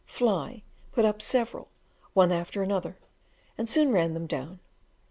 "Fly" put up several, one after another, and soon ran them down.